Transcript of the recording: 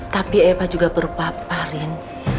tapi eva juga berpapa rin